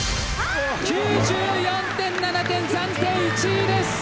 ９４．７点暫定１位です！